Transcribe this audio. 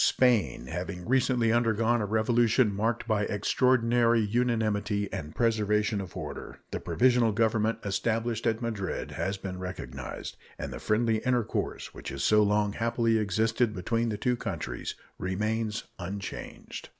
Spain having recently undergone a revolution marked by extraordinary unanimity and preservation of order, the provisional government established at Madrid has been recognized, and the friendly intercourse which has so long happily existed between the two countries remains unchanged.